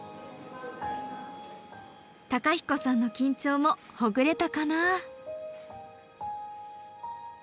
公彦さんの緊張もほぐれたかな？